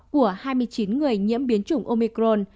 có thể phát hiện sớm người nhiễm biến chủng omicron